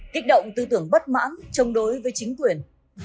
kích động tư tưởng bất mãn chống đối với chính quyền